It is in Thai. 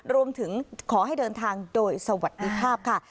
รวมถึงขอให้เดินทางโดยสวัสดีภาพค่ะ